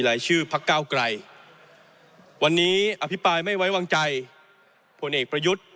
ชื่อพักเก้าไกรวันนี้อภิปรายไม่ไว้วางใจผลเอกประยุทธ์